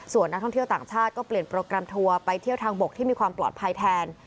ส่วนนักท่องเที่ยวต่างชาติก็เปลี่ยนโปรแกรมทัวร์ไปเที่ยวทางบกที่มีความปลอดภัยแทน